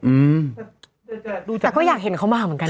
แต่เขาอยากเห็นเขามากเหมือนกัน